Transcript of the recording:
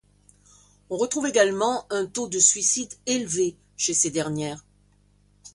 On retrouve également un taux de suicide élevé chez ces dernières.